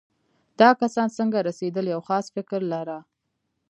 دا کسان څنګه رسېدل یو خاص فکر لاره.